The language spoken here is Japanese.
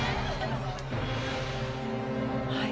はい。